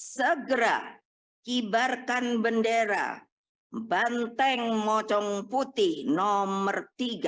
segera kibarkan bendera banteng mocong putih nomor tiga